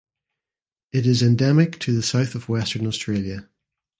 It is endemic to the south of Western Australia.